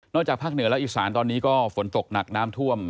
จากภาคเหนือและอีสานตอนนี้ก็ฝนตกหนักน้ำท่วม